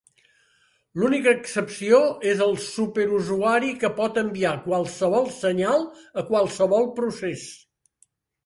L'única excepció és el superusuari que pot enviar qualsevol senyal a qualsevol procés.